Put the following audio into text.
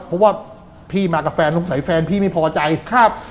เพราะว่าพี่มากับแฟนสงสัยแฟนพี่ไม่พอใจครับ